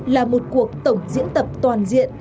là một cuộc tổng diễn tập toàn diện